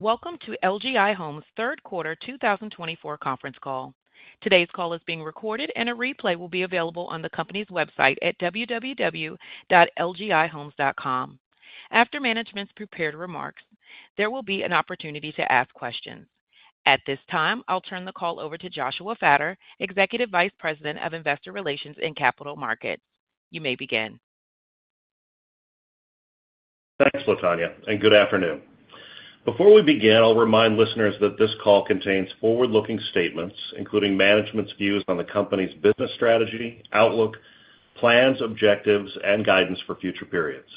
Welcome to LGI Homes' third quarter 2024 conference call. Today's call is being recorded, and a replay will be available on the company's website at www.lgihomes.com. After management's prepared remarks, there will be an opportunity to ask questions. At this time, I'll turn the call over to Joshua Fattor, Executive Vice President of Investor Relations and Capital Markets. You may begin. Thanks, Latonya, and good afternoon. Before we begin, I'll remind listeners that this call contains forward-looking statements, including management's views on the company's business strategy, outlook, plans, objectives, and guidance for future periods.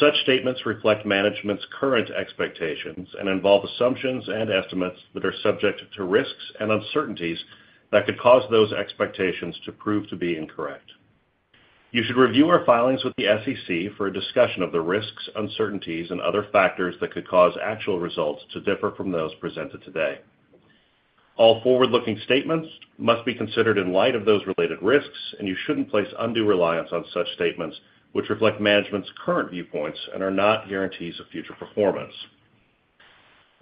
Such statements reflect management's current expectations and involve assumptions and estimates that are subject to risks and uncertainties that could cause those expectations to prove to be incorrect. You should review our filings with the SEC for a discussion of the risks, uncertainties, and other factors that could cause actual results to differ from those presented today. All forward-looking statements must be considered in light of those related risks, and you shouldn't place undue reliance on such statements, which reflect management's current viewpoints and are not guarantees of future performance.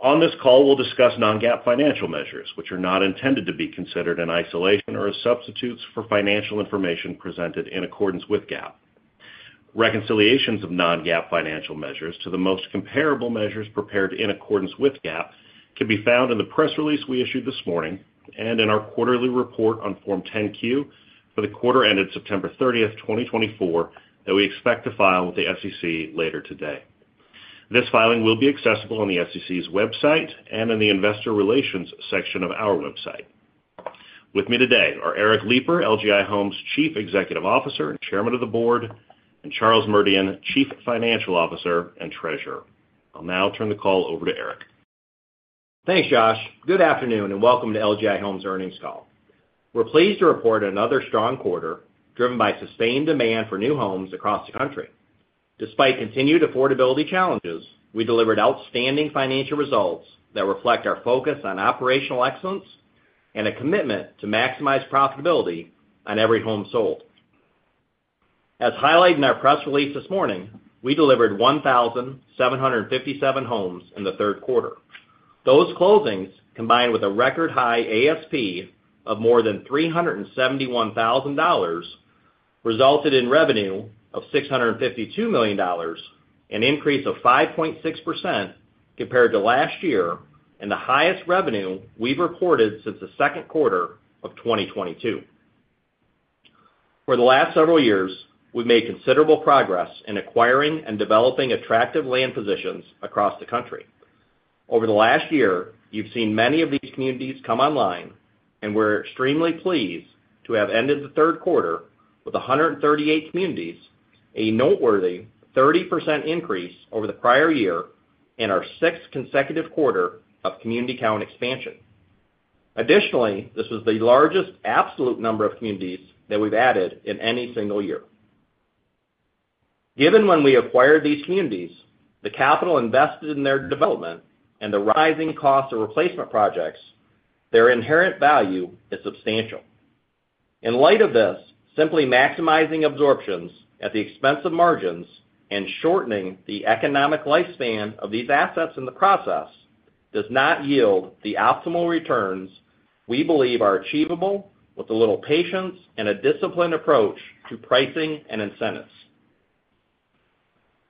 On this call, we'll discuss non-GAAP financial measures, which are not intended to be considered in isolation or as substitutes for financial information presented in accordance with GAAP. Reconciliations of non-GAAP financial measures to the most comparable measures prepared in accordance with GAAP can be found in the press release we issued this morning and in our quarterly report on Form 10-Q for the quarter ended September 30th, 2024, that we expect to file with the SEC later today. This filing will be accessible on the SEC's website and in the Investor Relations section of our website. With me today are Eric Lipar, LGI Homes' Chief Executive Officer and Chairman of the Board, and Charles Merdian, Chief Financial Officer and Treasurer. I'll now turn the call over to Eric. Thanks, Josh. Good afternoon and welcome to LGI Homes' earnings call. We're pleased to report another strong quarter driven by sustained demand for new homes across the country. Despite continued affordability challenges, we delivered outstanding financial results that reflect our focus on operational excellence and a commitment to maximize profitability on every home sold. As highlighted in our press release this morning, we delivered 1,757 homes in the third quarter. Those closings, combined with a record high ASP of more than $371,000, resulted in revenue of $652 million, an increase of 5.6% compared to last year and the highest revenue we've reported since the second quarter of 2022. For the last several years, we've made considerable progress in acquiring and developing attractive land positions across the country. Over the last year, you've seen many of these communities come online, and we're extremely pleased to have ended the third quarter with 138 communities, a noteworthy 30% increase over the prior year, and our sixth consecutive quarter of community count expansion. Additionally, this was the largest absolute number of communities that we've added in any single year. Given when we acquired these communities, the capital invested in their development, and the rising costs of replacement projects, their inherent value is substantial. In light of this, simply maximizing absorptions at the expense of margins and shortening the economic lifespan of these assets in the process does not yield the optimal returns we believe are achievable with a little patience and a disciplined approach to pricing and incentives.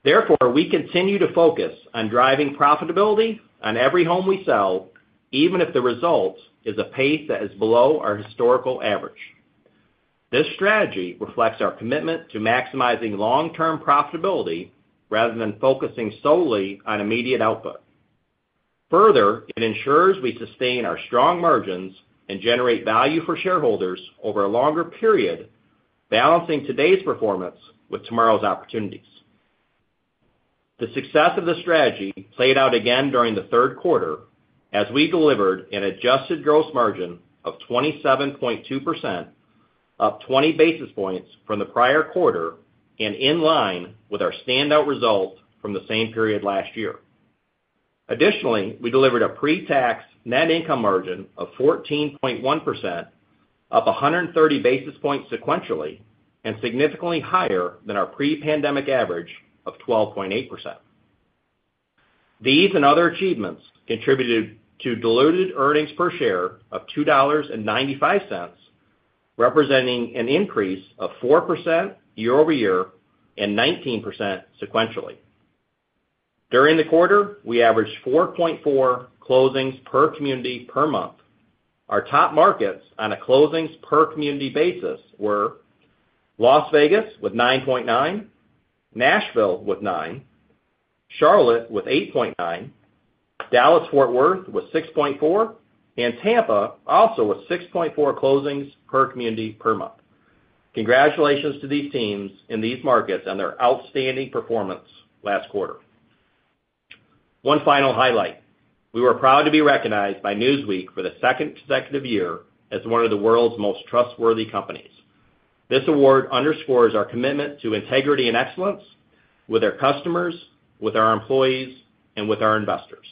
Therefore, we continue to focus on driving profitability on every home we sell, even if the result is a pace that is below our historical average. This strategy reflects our commitment to maximizing long-term profitability rather than focusing solely on immediate output. Further, it ensures we sustain our strong margins and generate value for shareholders over a longer period, balancing today's performance with tomorrow's opportunities. The success of the strategy played out again during the third quarter as we delivered an adjusted gross margin of 27.2%, up 20 basis points from the prior quarter and in line with our standout result from the same period last year. Additionally, we delivered a pre-tax net income margin of 14.1%, up 130 basis points sequentially and significantly higher than our pre-pandemic average of 12.8%. These and other achievements contributed to diluted earnings per share of $2.95, representing an increase of 4% year over year and 19% sequentially. During the quarter, we averaged 4.4 closings per community per month. Our top markets on a closings per community basis were Las Vegas with 9.9, Nashville with 9, Charlotte with 8.9, Dallas-Fort Worth with 6.4, and Tampa also with 6.4 closings per community per month. Congratulations to these teams in these markets on their outstanding performance last quarter. One final highlight: we were proud to be recognized by Newsweek for the second consecutive year as one of the world's most trustworthy companies. This award underscores our commitment to integrity and excellence with our customers, with our employees, and with our investors.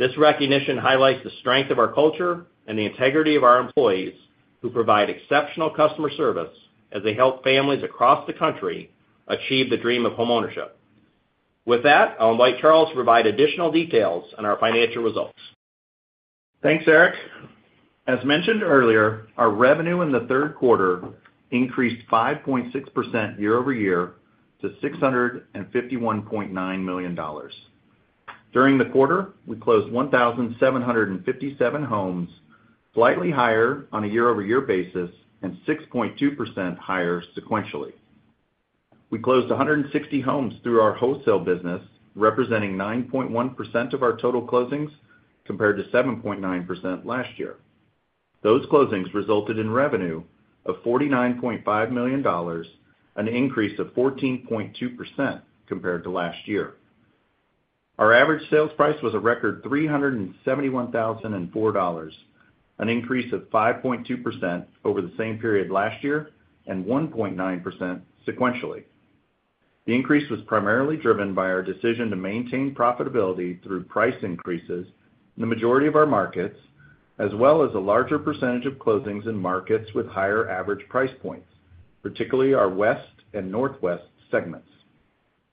This recognition highlights the strength of our culture and the integrity of our employees who provide exceptional customer service as they help families across the country achieve the dream of homeownership. With that, I'll invite Charles to provide additional details on our financial results. Thanks, Eric. As mentioned earlier, our revenue in the third quarter increased 5.6% year-over-year to $651.9 million. During the quarter, we closed 1,757 homes, slightly higher on a year-over-year basis and 6.2% higher sequentially. We closed 160 homes through our wholesale business, representing 9.1% of our total closings compared to 7.9% last year. Those closings resulted in revenue of $49.5 million, an increase of 14.2% compared to last year. Our average sales price was a record $371,004, an increase of 5.2% over the same period last year and 1.9% sequentially. The increase was primarily driven by our decision to maintain profitability through price increases in the majority of our markets, as well as a larger percentage of closings in markets with higher average price points, particularly our west and northwest segments,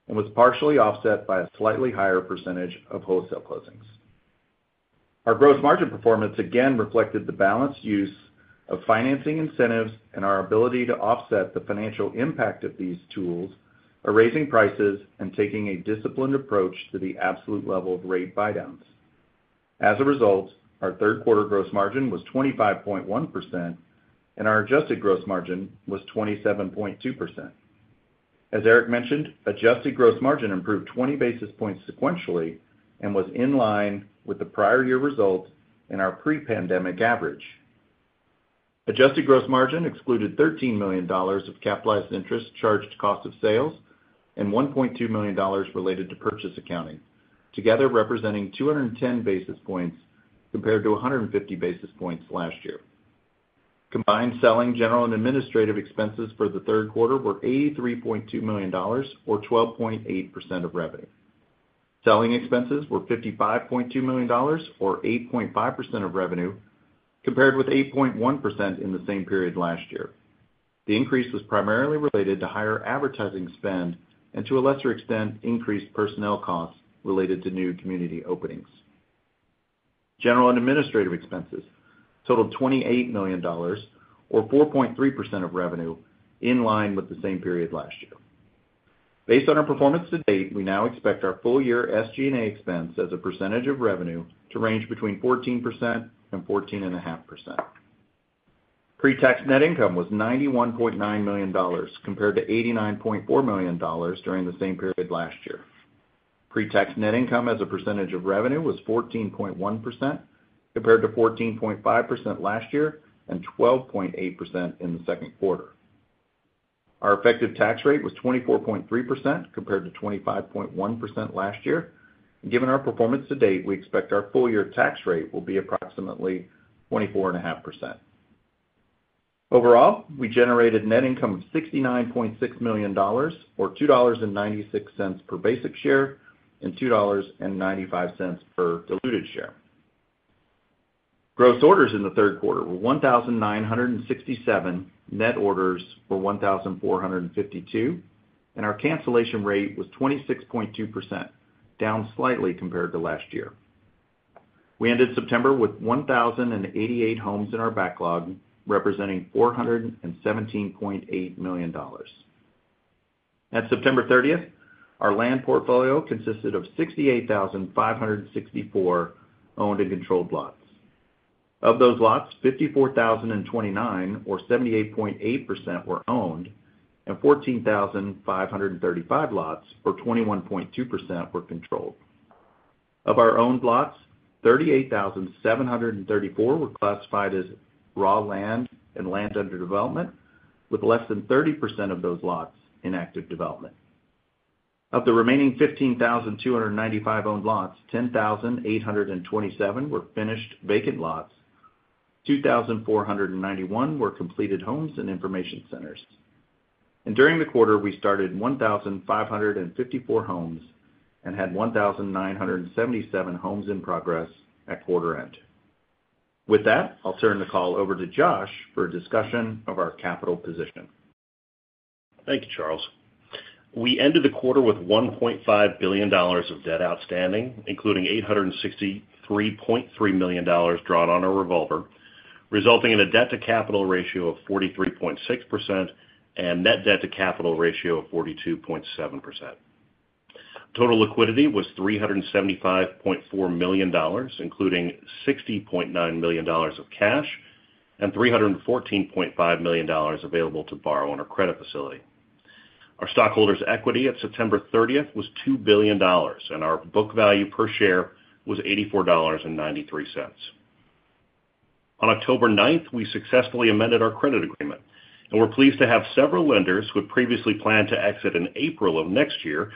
and was partially offset by a slightly higher percentage of wholesale closings. Our gross margin performance again reflected the balanced use of financing incentives and our ability to offset the financial impact of these tools by raising prices and taking a disciplined approach to the absolute level of rate buy-downs. As a result, our third quarter gross margin was 25.1%, and our adjusted gross margin was 27.2%. As Eric mentioned, adjusted gross margin improved 20 basis points sequentially and was in line with the prior year result in our pre-pandemic average. Adjusted gross margin excluded $13 million of capitalized interest charged to cost of sales and $1.2 million related to purchase accounting, together representing 210 basis points compared to 150 basis points last year. Combined selling, general, and administrative expenses for the third quarter were $83.2 million, or 12.8% of revenue. Selling expenses were $55.2 million, or 8.5% of revenue, compared with 8.1% in the same period last year. The increase was primarily related to higher advertising spend and, to a lesser extent, increased personnel costs related to new community openings. General and administrative expenses totaled $28 million, or 4.3% of revenue, in line with the same period last year. Based on our performance to date, we now expect our full-year SG&A expense as a percentage of revenue to range between 14%-14.5%. Pre-tax net income was $91.9 million compared to $89.4 million during the same period last year. Pre-tax net income as a percentage of revenue was 14.1% compared to 14.5% last year and 12.8% in the second quarter. Our effective tax rate was 24.3% compared to 25.1% last year. Given our performance to date, we expect our full-year tax rate will be approximately 24.5%. Overall, we generated net income of $69.6 million, or $2.96 per basic share and $2.95 per diluted share. Gross orders in the third quarter were 1,967, net orders were 1,452, and our cancellation rate was 26.2%, down slightly compared to last year. We ended September with 1,088 homes in our backlog, representing $417.8 million. At September 30th, our land portfolio consisted of 68,564 owned and controlled lots. Of those lots, 54,029, or 78.8%, were owned, and 14,535 lots, or 21.2%, were controlled. Of our owned lots, 38,734 were classified as raw land and land under development, with less than 30% of those lots in active development. Of the remaining 15,295 owned lots, 10,827 were finished vacant lots, 2,491 were completed homes and information centers, and during the quarter, we started 1,554 homes and had 1,977 homes in progress at quarter end. With that, I'll turn the call over to Josh for a discussion of our capital position. Thank you, Charles. We ended the quarter with $1.5 billion of debt outstanding, including $863.3 million drawn on a revolver, resulting in a debt-to-capital ratio of 43.6% and net debt-to-capital ratio of 42.7%. Total liquidity was $375.4 million, including $60.9 million of cash and $314.5 million available to borrow on our credit facility. Our stockholders' equity at September 30th was $2 billion, and our book value per share was $84.93. On October 9th, we successfully amended our credit agreement, and we're pleased to have several lenders who had previously planned to exit in April of next year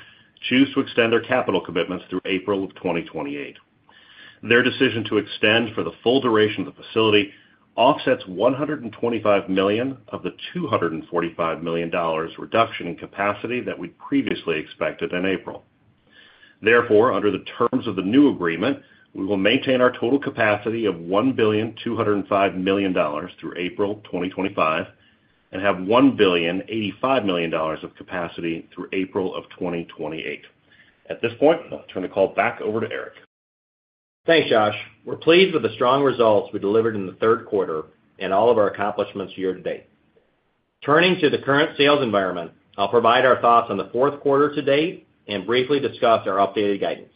choose to extend their capital commitments through April of 2028. Their decision to extend for the full duration of the facility offsets $125 million of the $245 million reduction in capacity that we previously expected in April. Therefore, under the terms of the new agreement, we will maintain our total capacity of $1,205,000,000 through April 2025 and have $1,085,000,000 of capacity through April of 2028. At this point, I'll turn the call back over to Eric. Thanks, Josh. We're pleased with the strong results we delivered in the third quarter and all of our accomplishments year to date. Turning to the current sales environment, I'll provide our thoughts on the fourth quarter to date and briefly discuss our updated guidance.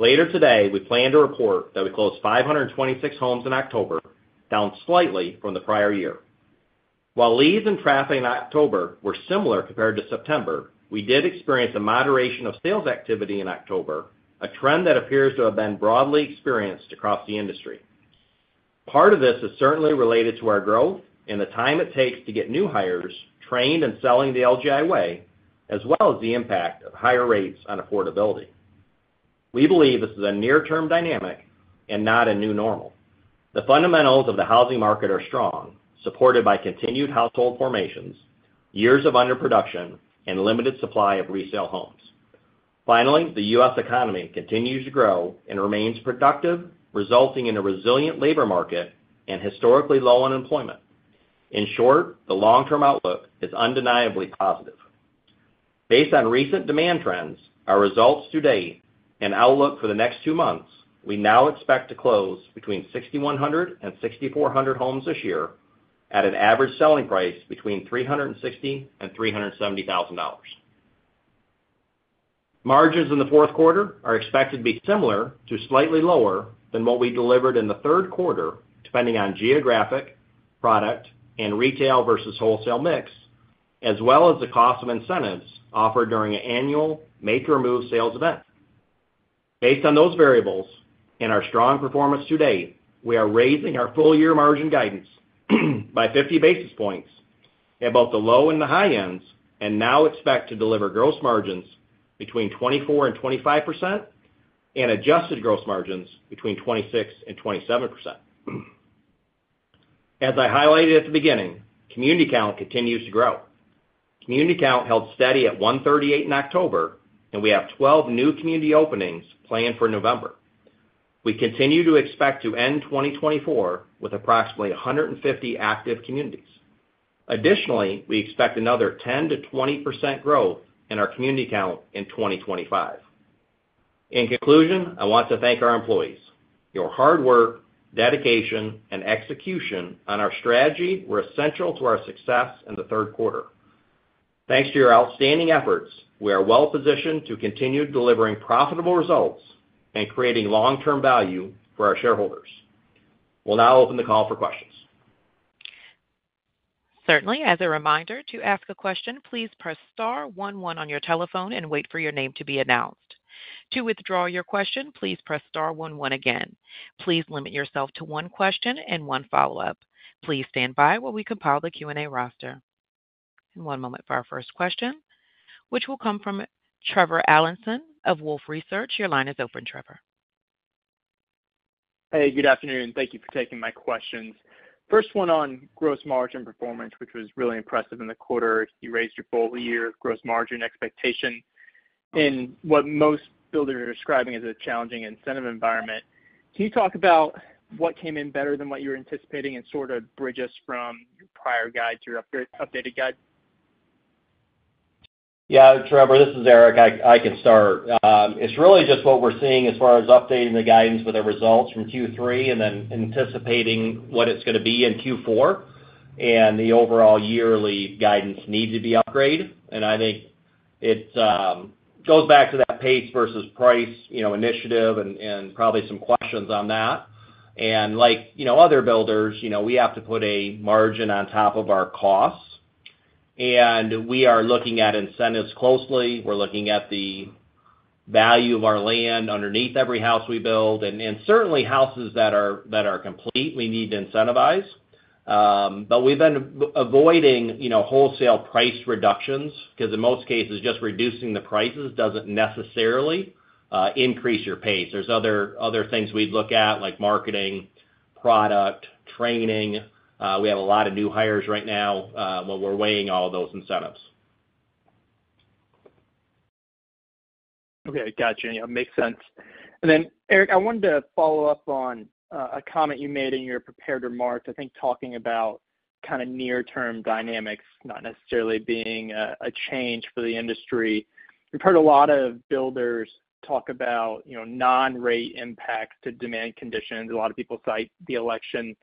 Later today, we plan to report that we closed 526 homes in October, down slightly from the prior year. While leads and traffic in October were similar compared to September, we did experience a moderation of sales activity in October, a trend that appears to have been broadly experienced across the industry. Part of this is certainly related to our growth and the time it takes to get new hires trained in selling the LGI way, as well as the impact of higher rates on affordability. We believe this is a near-term dynamic and not a new normal. The fundamentals of the housing market are strong, supported by continued household formations, years of underproduction, and limited supply of resale homes. Finally, the U.S. economy continues to grow and remains productive, resulting in a resilient labor market and historically low unemployment. In short, the long-term outlook is undeniably positive. Based on recent demand trends, our results to date, and outlook for the next two months, we now expect to close between 6,100 and 6,400 homes this year at an average selling price between $360,000 and $370,000. Margins in the fourth quarter are expected to be similar to slightly lower than what we delivered in the third quarter, depending on geographic, product, and retail versus wholesale mix, as well as the cost of incentives offered during an annual Make Your Move sales event. Based on those variables and our strong performance to date, we are raising our full-year margin guidance by 50 basis points at both the low and the high ends and now expect to deliver gross margins between 24% and 25% and adjusted gross margins between 26% and 27%. As I highlighted at the beginning, community count continues to grow. Community count held steady at 138 in October, and we have 12 new community openings planned for November. We continue to expect to end 2024 with approximately 150 active communities. Additionally, we expect another 10%-20% growth in our community count in 2025. In conclusion, I want to thank our employees. Your hard work, dedication, and execution on our strategy were essential to our success in the third quarter. Thanks to your outstanding efforts, we are well-positioned to continue delivering profitable results and creating long-term value for our shareholders. We'll now open the call for questions. Certainly. As a reminder, to ask a question, please press star one one on your telephone and wait for your name to be announced. To withdraw your question, please press star one one1 again. Please limit yourself to one question and one follow-up. Please stand by while we compile the Q&A roster. And one moment for our first question, which will come from Trevor Allinson of Wolfe Research. Your line is open, Trevor. Hey, good afternoon. Thank you for taking my questions. First one on gross margin performance, which was really impressive in the quarter. You raised your full-year gross margin expectation in what most builders are describing as a challenging incentive environment. Can you talk about what came in better than what you were anticipating and sort of bridge us from your prior guide to your updated guide? Yeah, Trevor, this is Eric. I can start. It's really just what we're seeing as far as updating the guidance with the results from Q3 and then anticipating what it's going to be in Q4 and the overall yearly guidance need to be upgraded, and I think it goes back to that pace versus price initiative and probably some questions on that. Like other builders, we have to put a margin on top of our costs, and we are looking at incentives closely. We're looking at the value of our land underneath every house we build, and certainly, houses that are complete, we need to incentivize. But we've been avoiding wholesale price reductions because, in most cases, just reducing the prices doesn't necessarily increase your pace. There's other things we'd look at, like marketing, product, training. We have a lot of new hires right now, but we're weighing all those incentives. Okay. Gotcha. Yeah, makes sense. And then, Eric, I wanted to follow up on a comment you made in your prepared remarks, I think talking about kind of near-term dynamics not necessarily being a change for the industry. We've heard a lot of builders talk about non-rate impacts to demand conditions. A lot of people cite the election.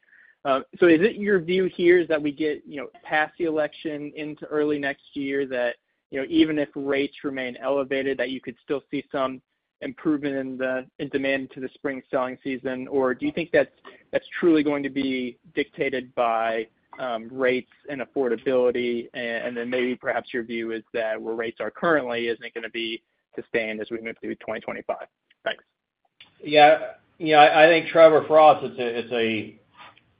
So is it your view here that we get past the election into early next year that even if rates remain elevated, that you could still see some improvement in demand to the spring selling season? Or do you think that's truly going to be dictated by rates and affordability? And then maybe perhaps your view is that where rates are currently isn't going to be sustained as we move through 2025. Thanks. Yeah. I think, Trevor, for us,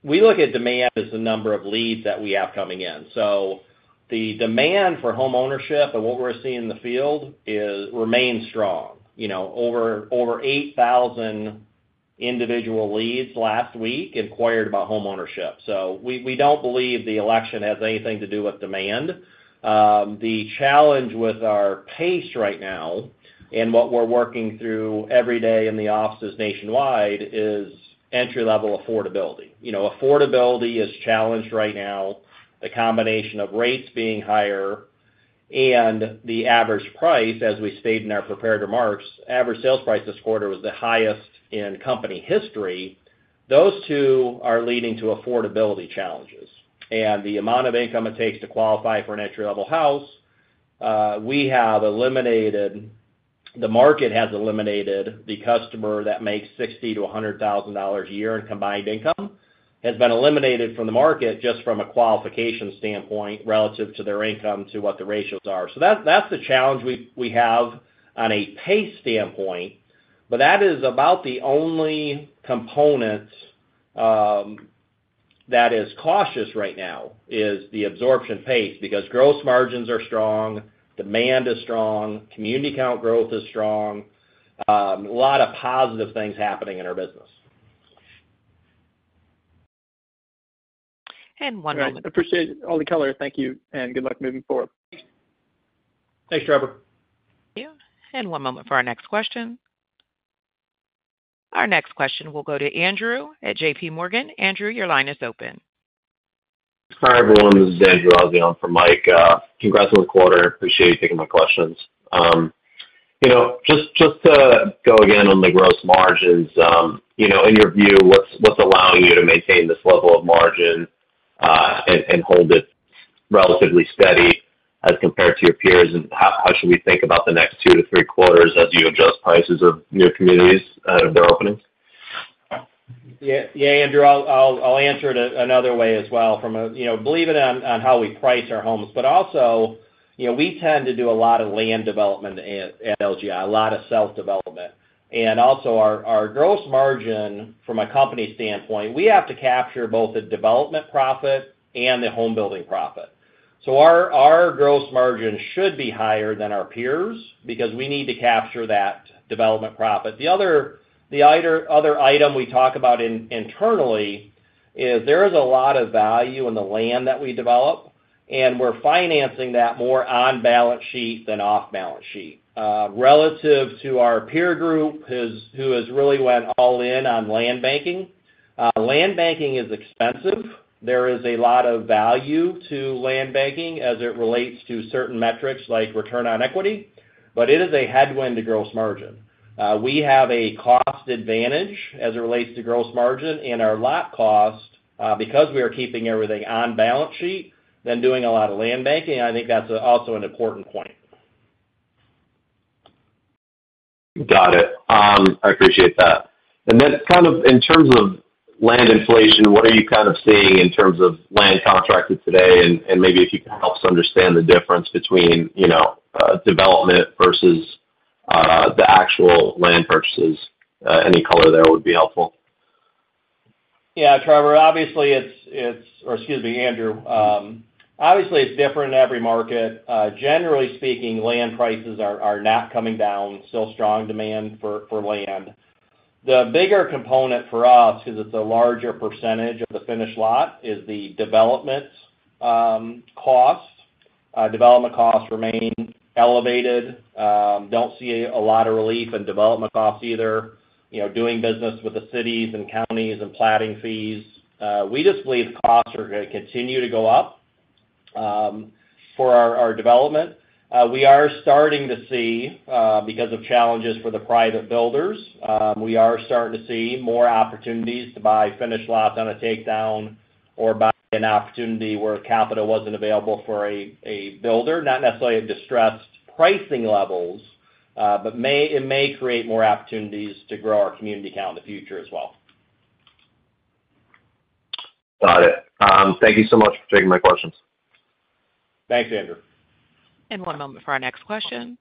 we look at demand as the number of leads that we have coming in. So the demand for homeownership and what we're seeing in the field remains strong. Over 8,000 individual leads last week inquired about homeownership. So we don't believe the election has anything to do with demand. The challenge with our pace right now and what we're working through every day in the offices nationwide is entry-level affordability. Affordability is challenged right now, the combination of rates being higher and the average price. As we stated in our prepared remarks, average sales price this quarter was the highest in company history. Those two are leading to affordability challenges. And the amount of income it takes to qualify for an entry-level house, we have eliminated. The market has eliminated the customer that makes $60,000-$100,000 a year in combined income has been eliminated from the market just from a qualification standpoint relative to their income to what the ratios are. So that's the challenge we have on a pace standpoint. But that is about the only component that is cautious right now is the absorption pace because gross margins are strong, demand is strong, community count growth is strong, a lot of positive things happening in our business. And one moment. Appreciate all the color. Thank you. And good luck moving forward. Thanks, Trevor. Thank you, and one moment for our next question. Our next question will go to Andrew at JPMorgan. Andrew, your line is open. Hi, everyone. This is Andrew Azzi for Mike. Congrats on the quarter. Appreciate you taking my questions. Just to go again on the gross margins, in your view, what's allowing you to maintain this level of margin and hold it relatively steady as compared to your peers? And how should we think about the next two to three quarters as you adjust prices of new communities and their openings? Yeah, Andrew, I'll answer it another way as well from the beginning on how we price our homes. But also, we tend to do a lot of land development at LGI, a lot of self-development. And also, our gross margin from a company standpoint, we have to capture both the development profit and the home-building profit. So our gross margin should be higher than our peers because we need to capture that development profit. The other item we talk about internally is there is a lot of value in the land that we develop, and we're financing that more on balance sheet than off balance sheet. Relative to our peer group who has really went all in on land banking, land banking is expensive. There is a lot of value to land banking as it relates to certain metrics like return on equity, but it is a headwind to gross margin. We have a cost advantage as it relates to gross margin in our lot cost because we are keeping everything on balance sheet than doing a lot of land banking. I think that's also an important point. Got it. I appreciate that. And then kind of in terms of land inflation, what are you kind of seeing in terms of land contracted today? And maybe if you can help us understand the difference between development versus the actual land purchases, any color there would be helpful. Yeah, Trevor, obviously it's – or excuse me, Andrew, obviously it's different in every market. Generally speaking, land prices are not coming down. Still strong demand for land. The bigger component for us, because it's a larger percentage of the finished lot, is the development cost. Development costs remain elevated. Don't see a lot of relief in development costs either. Doing business with the cities and counties and platting fees. We just believe costs are going to continue to go up for our development. We are starting to see, because of challenges for the private builders, we are starting to see more opportunities to buy finished lots on a takedown or buy an opportunity where capital wasn't available for a builder. Not necessarily at distressed pricing levels, but it may create more opportunities to grow our community count in the future as well. Got it. Thank you so much for taking my questions. Thanks, Andrew. And one moment for our next question.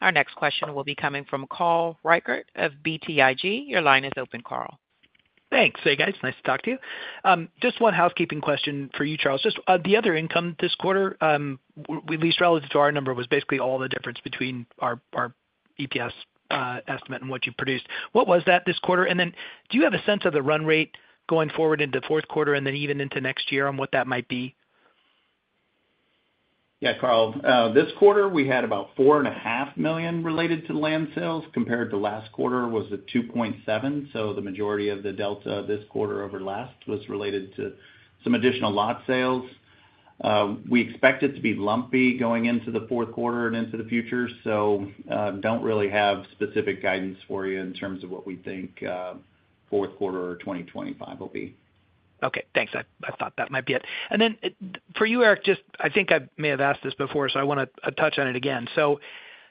Our next question will be coming from Carl Reichardt of BTIG. Your line is open, Carl. Thanks. Hey, guys. Nice to talk to you. Just one housekeeping question for you, Charles. Just the other income this quarter, at least relative to our number, was basically all the difference between our EPS estimate and what you produced. What was that this quarter? And then do you have a sense of the run rate going forward into the fourth quarter and then even into next year on what that might be? Yeah, Carl. This quarter, we had about $4.5 million related to land sales compared to last quarter, was at $2.7 million. So the majority of the delta this quarter over last was related to some additional lot sales. We expect it to be lumpy going into the fourth quarter and into the future. So don't really have specific guidance for you in terms of what we think fourth quarter or 2025 will be. Okay. Thanks. I thought that might be it. And then for you, Eric, just I think I may have asked this before, so I want to touch on it again. So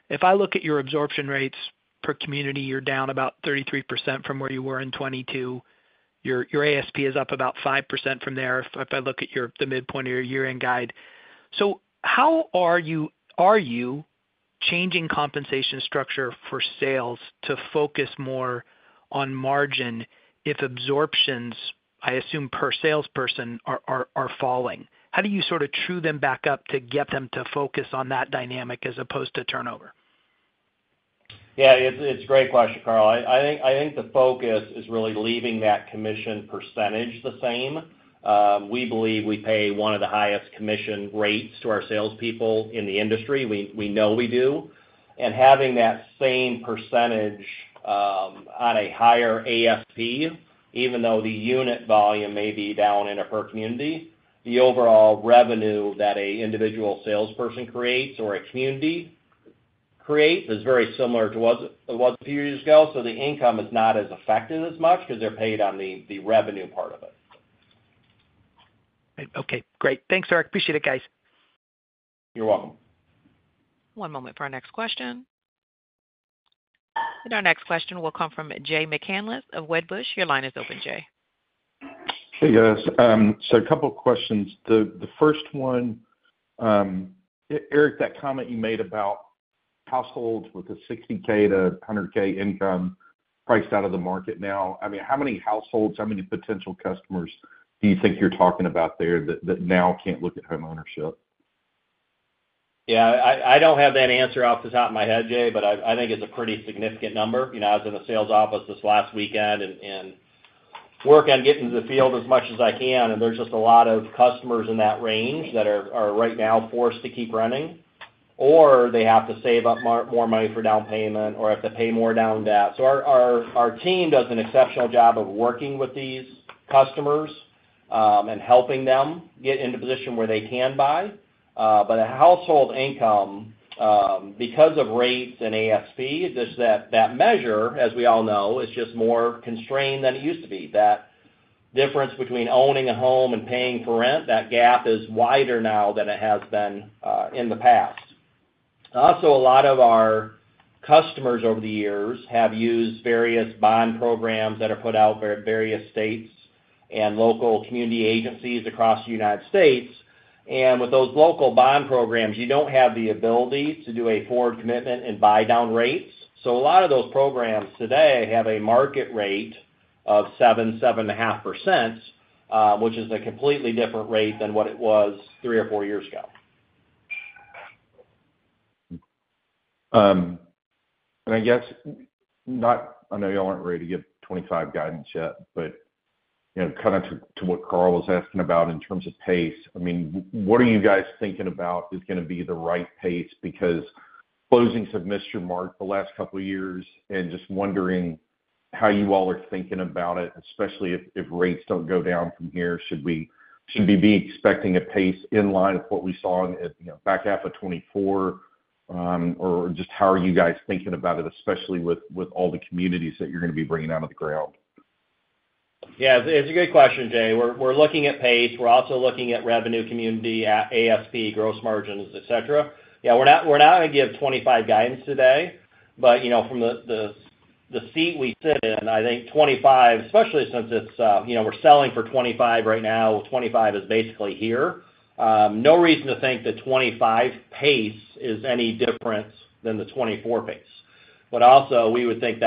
if I look at your absorption rates per community, you're down about 33% from where you were in 2022. Your ASP is up about 5% from there if I look at the midpoint of your year-end guide. So how are you changing compensation structure for sales to focus more on margin if absorptions, I assume per salesperson, are falling? How do you sort of true them back up to get them to focus on that dynamic as opposed to turnover? Yeah, it's a great question, Carl. I think the focus is really leaving that commission percentage the same. We believe we pay one of the highest commission rates to our salespeople in the industry. We know we do. And having that same percentage on a higher ASP, even though the unit volume may be down in a per community, the overall revenue that an individual salesperson creates or a community creates is very similar to what it was a few years ago. So the income is not as affected as much because they're paid on the revenue part of it. Okay. Great. Thanks, Eric. Appreciate it, guys. You're welcome. One moment for our next question. Our next question will come from Jay McCanless of Wedbush. Your line is open, Jay. Hey, guys. So a couple of questions. The first one, Eric, that comment you made about households with a $60K-$100K income priced out of the market now, I mean, how many households, how many potential customers do you think you're talking about there that now can't look at homeownership? Yeah, I don't have that answer off the top of my head, Jay, but I think it's a pretty significant number. I was in the sales office this last weekend and working on getting into the field as much as I can, and there's just a lot of customers in that range that are right now forced to keep running, or they have to save up more money for down payment or have to pay more down debt, so our team does an exceptional job of working with these customers and helping them get into a position where they can buy, but household income, because of rates and ASP, that measure, as we all know, is just more constrained than it used to be. That difference between owning a home and paying for rent, that gap is wider now than it has been in the past. Also, a lot of our customers over the years have used various bond programs that are put out by various states and local community agencies across the United States. And with those local bond programs, you don't have the ability to do a forward commitment and buy down rates. So a lot of those programs today have a market rate of 7%-7.5%, which is a completely different rate than what it was three or four years ago. I guess I know y'all aren't ready to give 25 guidance yet, but kind of to what Carl was asking about in terms of pace. I mean, what are you guys thinking about is going to be the right pace? Because closings have missed your mark the last couple of years, and just wondering how you all are thinking about it, especially if rates don't go down from here. Should we be expecting a pace in line with what we saw in the back half of 2024? Or just how are you guys thinking about it, especially with all the communities that you're going to be bringing out of the ground? Yeah, it's a good question, Jay. We're looking at pace. We're also looking at revenue, community, ASP, gross margins, etc. Yeah, we're not going to give 2025 guidance today. But from the seat we sit in, I think 2025, especially since we're selling for 2025 right now, 2025 is basically here. No reason to think the 2025 pace is any different than the 2024 pace. But also, we would think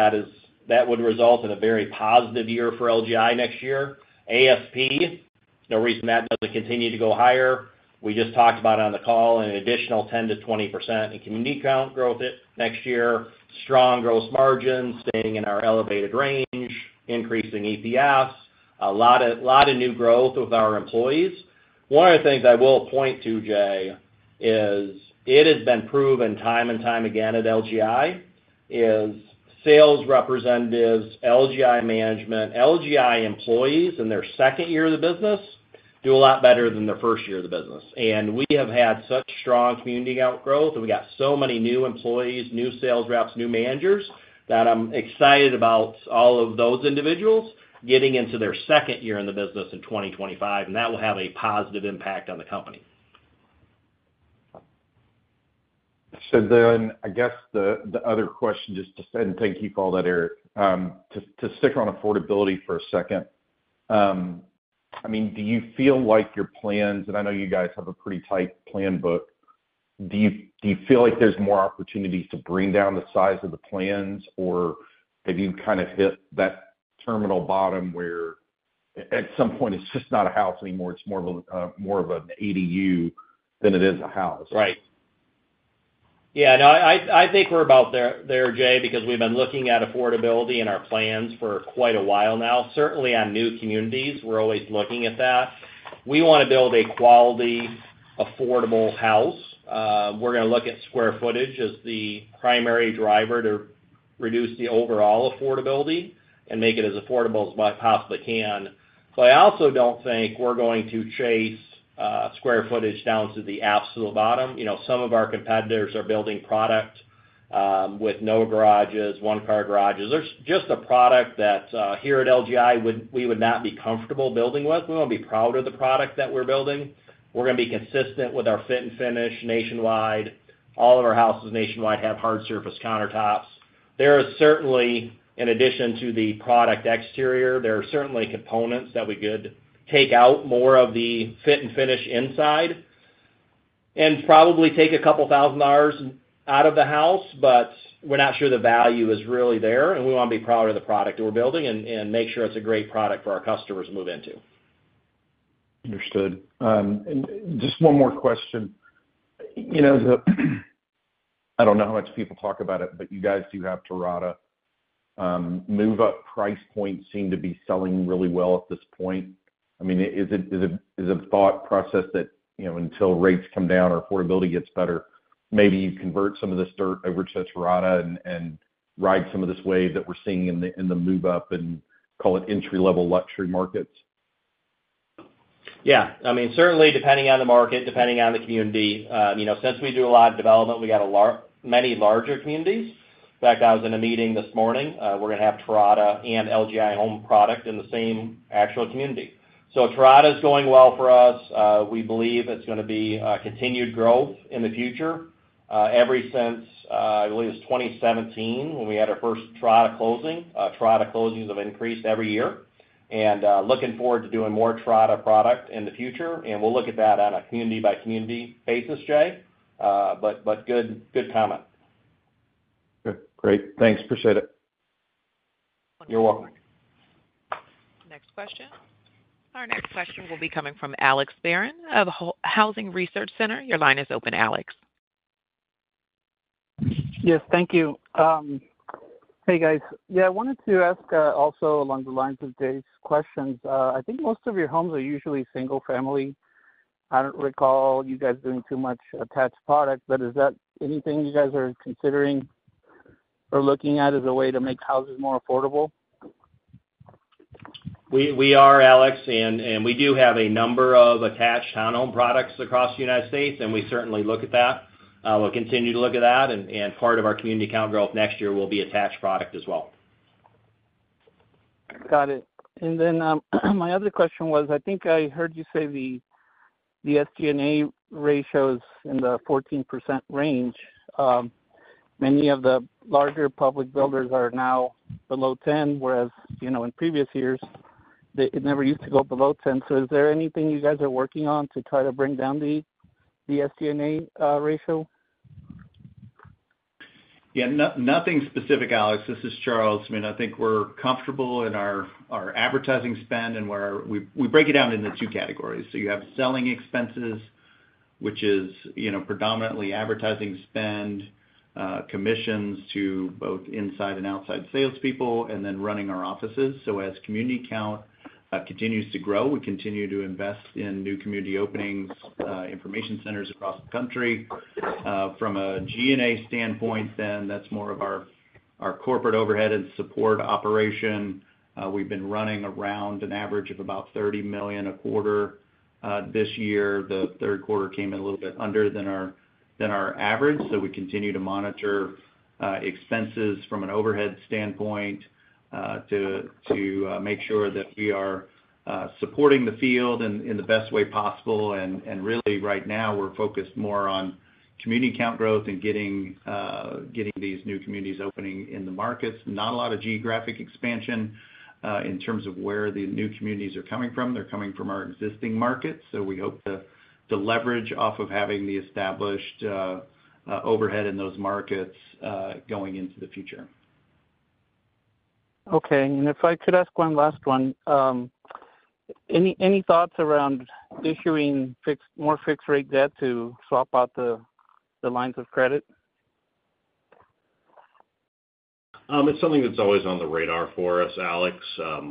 that would result in a very positive year for LGI next year. ASP, no reason that doesn't continue to go higher. We just talked about it on the call, an additional 10%-20% in community count growth next year, strong gross margin, staying in our elevated range, increasing EPS, a lot of new growth with our employees. One of the things I will point to, Jay, is it has been proven time and time again at LGI, [that] sales representatives, LGI management, LGI employees in their second year of the business do a lot better than their first year of the business. We have had such strong community count growth, and we got so many new employees, new sales reps, new managers that I'm excited about all of those individuals getting into their second year in the business in 2025, and that will have a positive impact on the company. So then, I guess the other question just to say, and thank you for all that, Eric, to stick on affordability for a second. I mean, do you feel like your plans, and I know you guys have a pretty tight plan book, do you feel like there's more opportunities to bring down the size of the plans? Or have you kind of hit that terminal bottom where at some point it's just not a house anymore? It's more of an ADU than it is a house. Right. Yeah. No, I think we're about there, Jay, because we've been looking at affordability in our plans for quite a while now. Certainly on new communities, we're always looking at that. We want to build a quality, affordable house. We're going to look at square footage as the primary driver to reduce the overall affordability and make it as affordable as we possibly can. But I also don't think we're going to chase square footage down to the absolute bottom. Some of our competitors are building product with no garages, one-car garages. There's just a product that here at LGI, we would not be comfortable building with. We won't be proud of the product that we're building. We're going to be consistent with our fit and finish nationwide. All of our houses nationwide have hard surface countertops. There is certainly, in addition to the product exterior, there are certainly components that we could take out more of the fit and finish inside and probably take a couple thousand dollars out of the house, but we're not sure the value is really there, and we want to be proud of the product that we're building and make sure it's a great product for our customers to move into. Understood. And just one more question. I don't know how much people talk about it, but you guys do have Terrata. Move-up price points seem to be selling really well at this point. I mean, is it a thought process that until rates come down or affordability gets better, maybe you convert some of this dirt over to Terrata and ride some of this wave that we're seeing in the move-up and call it entry-level luxury markets? Yeah. I mean, certainly depending on the market, depending on the community. Since we do a lot of development, we got many larger communities. In fact, I was in a meeting this morning. We're going to have Terrata and LGI Homes product in the same actual community. So Terrata is going well for us. We believe it's going to be continued growth in the future. Ever since, I believe, it was 2017 when we had our first Terrata closing. Terrata closings have increased every year and looking forward to doing more Terrata product in the future and we'll look at that on a community-by-community basis, Jay. But good comment. Good. Great. Thanks. Appreciate it. You're welcome. Next question. Our next question will be coming from Alex Barron of Housing Research Center. Your line is open, Alex. Yes, thank you. Hey, guys. Yeah, I wanted to ask also along the lines of Jay's questions. I think most of your homes are usually single-family. I don't recall you guys doing too much attached product, but is that anything you guys are considering or looking at as a way to make houses more affordable? We are, Alex. And we do have a number of attached townhome products across the United States, and we certainly look at that. We'll continue to look at that. And part of our community count growth next year will be attached product as well. Got it. And then my other question was, I think I heard you say the SG&A ratio is in the 14% range. Many of the larger public builders are now below 10%, whereas in previous years, it never used to go below 10%. So is there anything you guys are working on to try to bring down the SG&A ratio? Yeah, nothing specific, Alex. This is Charles. I mean, I think we're comfortable in our advertising spend, and we break it down into two categories. So you have selling expenses, which is predominantly advertising spend, commissions to both inside and outside salespeople, and then running our offices. So as community count continues to grow, we continue to invest in new community openings, information centers across the country. From a G&A standpoint, then that's more of our corporate overhead and support operation. We've been running around an average of about $30 million a quarter this year. The third quarter came in a little bit under that our average. So we continue to monitor expenses from an overhead standpoint to make sure that we are supporting the field in the best way possible. And really, right now, we're focused more on community count growth and getting these new communities opening in the markets. Not a lot of geographic expansion in terms of where the new communities are coming from. They're coming from our existing markets. So we hope to leverage off of having the established overhead in those markets going into the future. Okay. And if I could ask one last one, any thoughts around issuing more fixed-rate debt to swap out the lines of credit? It's something that's always on the radar for us, Alex.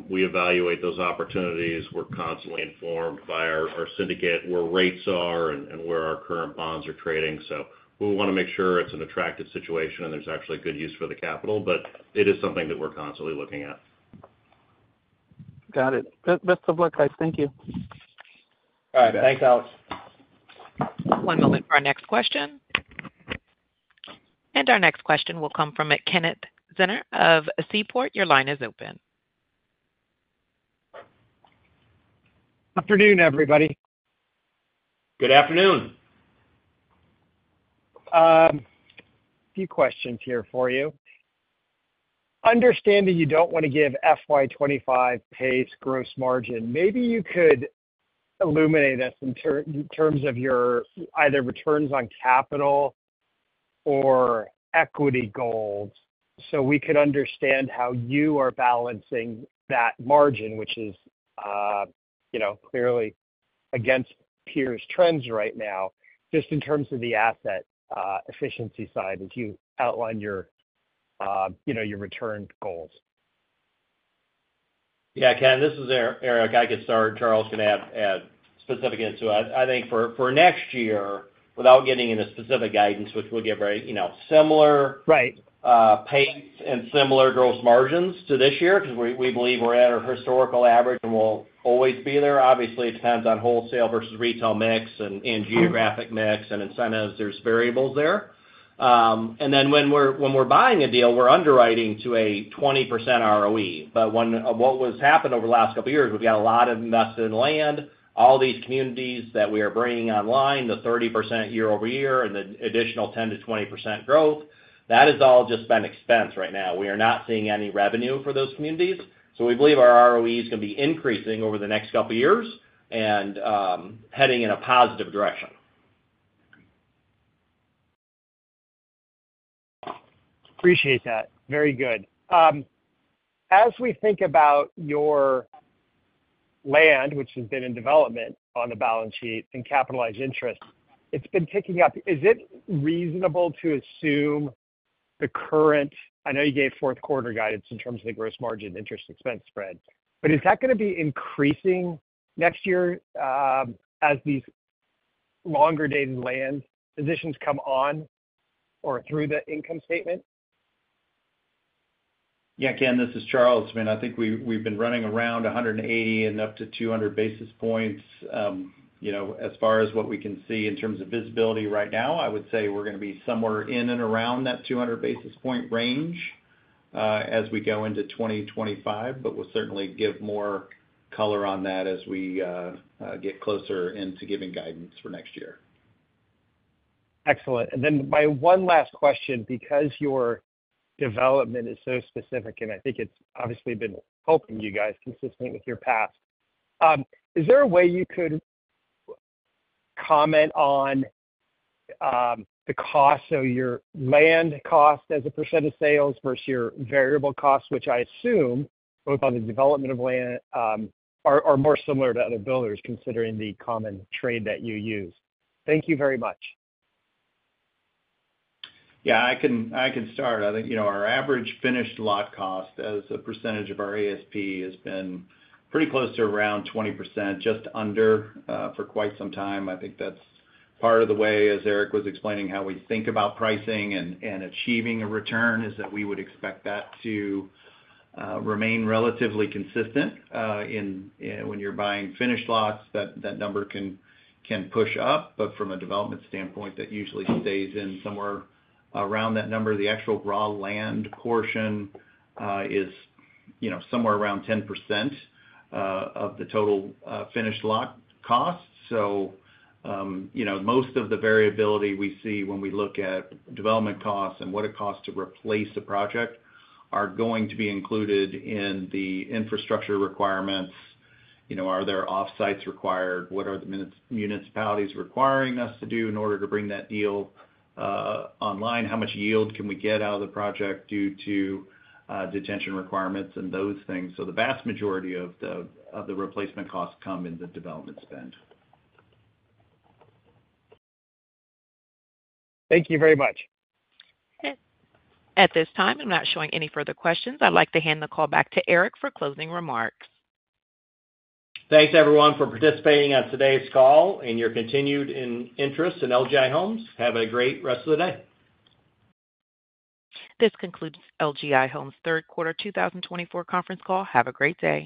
We evaluate those opportunities. We're constantly informed by our syndicate where rates are and where our current bonds are trading. So we want to make sure it's an attractive situation and there's actually good use for the capital. But it is something that we're constantly looking at. Got it. Best of luck, guys. Thank you. All right. Thanks, Alex. One moment for our next question. And our next question will come from Kenneth Zener of Seaport. Your line is open. Good afternoon, everybody. Good afternoon. A few questions here for you. Understanding you don't want to give FY 2025 pace gross margin, maybe you could illuminate us in terms of your either returns on capital or equity goals so we could understand how you are balancing that margin, which is clearly against peers' trends right now, just in terms of the asset efficiency side as you outline your return goals. Yeah, Ken, this is Eric. I could start, Charles can add specifics into it. I think for next year, without getting into specific guidance, which we'll give very similar pace and similar gross margins to this year because we believe we're at our historical average and we'll always be there. Obviously, it depends on wholesale versus retail mix and geographic mix and incentives. There's variables there. And then when we're buying a deal, we're underwriting to a 20% ROE. But what has happened over the last couple of years, we've got a lot of invested in land. All these communities that we are bringing online, the 30% year over year and the additional 10%-20% growth, that has all just been expense right now. We are not seeing any revenue for those communities. We believe our ROE is going to be increasing over the next couple of years and heading in a positive direction. Appreciate that. Very good. As we think about your land, which has been in development on the balance sheet and capitalized interest, it's been picking up. Is it reasonable to assume the current, I know you gave fourth quarter guidance in terms of the gross margin interest expense spread, but is that going to be increasing next year as these longer dated land positions come on or through the income statement? Yeah, Ken, this is Charles. I mean, I think we've been running around 180 and up to 200 basis points. As far as what we can see in terms of visibility right now, I would say we're going to be somewhere in and around that 200 basis point range as we go into 2025, but we'll certainly give more color on that as we get closer into giving guidance for next year. Excellent. And then my one last question, because your development is so specific, and I think it's obviously been helping you guys consistently with your past, is there a way you could comment on the cost of your land cost as a % of sales versus your variable costs, which I assume both on the development of land are more similar to other builders considering the common trade that you use? Thank you very much. Yeah, I can start. I think our average finished lot cost as a percentage of our ASP has been pretty close to around 20%, just under for quite some time. I think that's part of the way, as Eric was explaining, how we think about pricing and achieving a return is that we would expect that to remain relatively consistent. When you're buying finished lots, that number can push up, but from a development standpoint, that usually stays in somewhere around that number. The actual raw land portion is somewhere around 10% of the total finished lot cost. So most of the variability we see when we look at development costs and what it costs to replace a project are going to be included in the infrastructure requirements. Are there offsites required? What are the municipalities requiring us to do in order to bring that deal online? How much yield can we get out of the project due to detention requirements and those things? So the vast majority of the replacement costs come in the development spend. Thank you very much. At this time, I'm not showing any further questions. I'd like to hand the call back to Eric for closing remarks. Thanks, everyone, for participating on today's call and your continued interest in LGI Homes. Have a great rest of the day. This concludes LGI Homes' third quarter 2024 conference call. Have a great day.